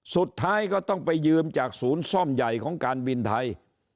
สุดท้ายก็ต้องไปยืมจากศูนย์ซ่อมใหญ่ของการบินไทย